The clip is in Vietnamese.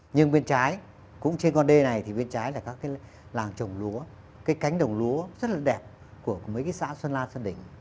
nhưng bên trái cũng trên con đê này thì bên trái là các cái làng trồng lúa cái cánh đồng lúa rất là đẹp của mấy cái xã xuân la xuân đỉnh